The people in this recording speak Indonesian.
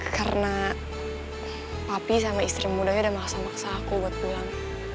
karena papi sama istri mudanya udah maksa maksa aku buat pulang